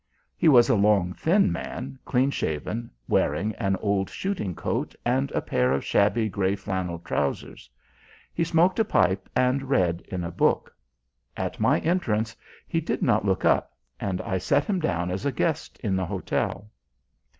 He was a long thin man, clean shaven, wearing an old shooting coat and a pair of shabby grey flannel trousers. He smoked a pipe and read in a book. At my entrance he did not look up, and I set him down as a guest in the hotel.